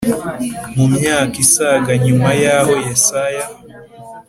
Mu myaka isaga nyuma y aho Yesaya